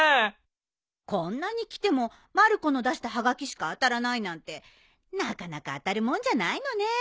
こんなに来てもまる子の出したはがきしか当たらないなんてなかなか当たるもんじゃないのね。